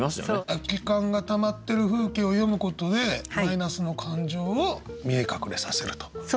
空き缶がたまってる風景を詠むことでマイナスの感情を見え隠れさせると。